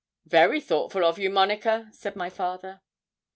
'Very thoughtful of you, Monica!' said my father.